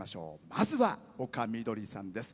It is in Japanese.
まずは丘みどりさんです。